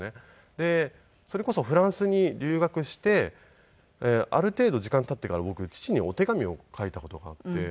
でそれこそフランスに留学してある程度時間経ってから僕父にお手紙を書いた事があって。